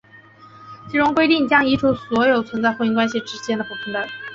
其中规定将移除所有存在于婚姻关系之间的不平等。